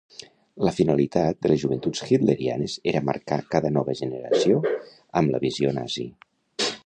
La finalitat de les Joventuts Hitlerianes era marcar cada nova generació amb la visió nazi.